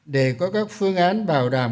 để có các phương án bảo đảm